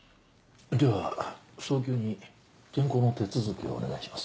では早急に転校の手続きをお願いします。